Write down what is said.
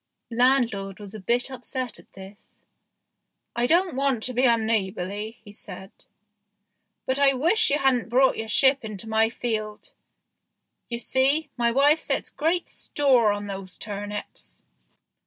Landlord was a bit upset at this. " I don't want to be unneighbourly," he said, " but I wish you hadn't brought your ship into my field. You see, my wife sets great store on these turnips."